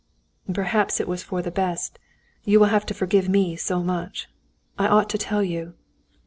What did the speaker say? "Perhaps it was for the best. You will have to forgive me so much. I ought to tell you...."